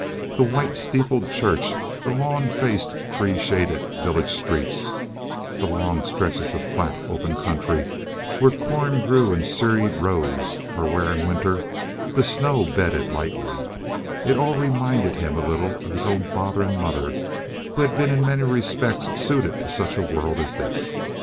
The white steepled church, the lawn faced, tree shaded village streets, the long stretches of flat, open country where corn grew in serried rows or where in winter the snow bedded lightly—it all reminded him a little of his own father and mother, who had been in many respects suited to such a world as this.